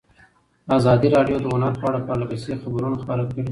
ازادي راډیو د هنر په اړه پرله پسې خبرونه خپاره کړي.